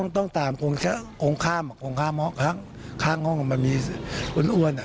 ก่อนหน้านี้จะเป็นการต้องตามคงข้ามคงข้างห้องมันมีอ้วนอ่ะ